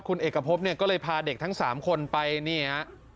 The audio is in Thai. คุณเอกพรบก็เลยพาเด็กทั้ง๓คนไปเนี่ย